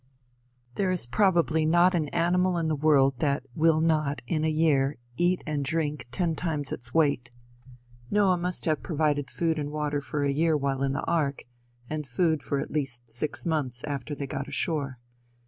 There is probably not an animal in the world that will not, in a year, eat and drink ten times its weight. Noah must have provided food and water for a year while in the ark, and food for at least six months after they got ashore.